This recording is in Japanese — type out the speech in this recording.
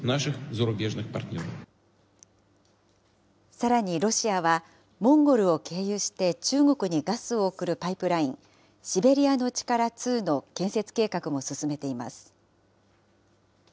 さらにロシアは、モンゴルを経由して中国にガスを送るパイプライン、シベリアの力２の建設計画も進めています。